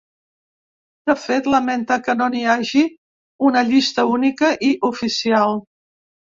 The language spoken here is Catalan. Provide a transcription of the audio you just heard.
De fet, lamenta que no n’hi hagi una llista única i oficial.